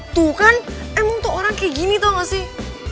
tuh kan emang tuh orang kayak gini tuh gak sih